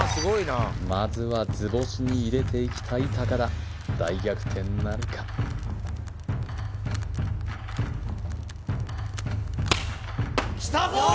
まずは図星に入れていきたい高田大逆転なるかきたぞー！